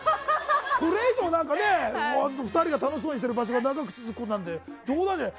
これ以上、２人が楽しそうにしてる場所が長く続くなんて冗談じゃない。